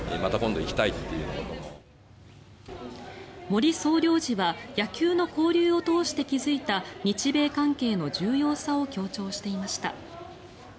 森総領事は野球の交流を通して築いた日米関係の重要さを強調していました。